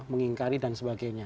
mengingkari dan sebagainya